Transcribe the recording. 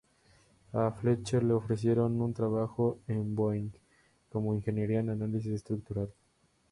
A Fletcher le ofrecieron un trabajo en Boeing como ingeniera de análisis estructural.